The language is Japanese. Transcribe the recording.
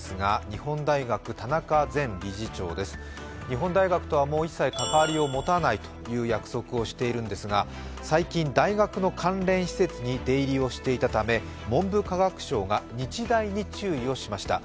日本大学とはもう一切関わりを持たないという約束をしているんですが最近、大学の関連施設に出入りをしていたため文部科学省が日大に注意をしました。